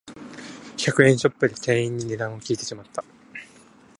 百円ショップで店員に値段を聞いてしまった